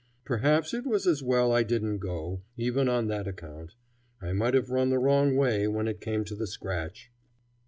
Perhaps it was as well I didn't go, even on that account. I might have run the wrong way when it came to the scratch.